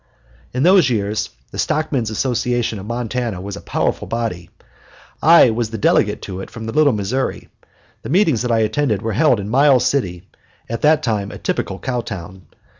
In those years the Stockman's Association of Montana was a powerful body. I was the delegate to it from the Little Missouri. The meetings that I attended were held in Miles City, at that time a typical cow town.